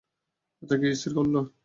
আচ্ছা, কি স্থির করলে?